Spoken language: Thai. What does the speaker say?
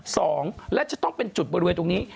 สองและจะต้องเป็นจุดบริเวณตรงนี้